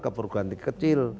ke perguruan tinggi kecil